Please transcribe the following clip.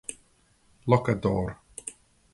locador